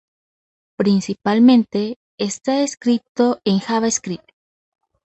Principalmente está escrito en JavaScript.